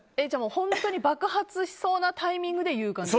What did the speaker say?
本当に爆発しそうなタイミングで言う感じ？